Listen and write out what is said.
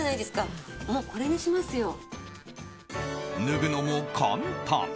脱ぐのも簡単。